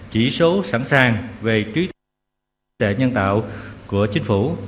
chỉ số sẵn sàng về trí tuệ nhân tạo của chính phủ